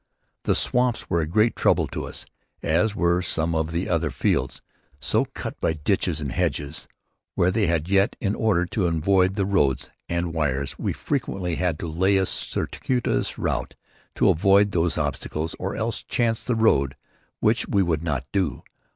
The swamps were a great trouble to us, as were also some of the fields, so cut up by ditches and hedges were they, and yet, in order to avoid the roads and the wires, we frequently had to lay a circuitous route to avoid these obstacles or else chance the road, which we would not do.